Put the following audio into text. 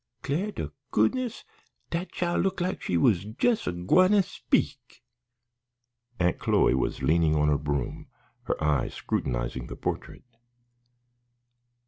'Clar' to goodness, dat chile look like she was jes' a gwine to speak." Aunt Chloe was leaning on her broom, her eyes scrutinizing the portrait.